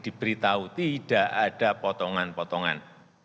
diberitahu tidak ada potongan potongan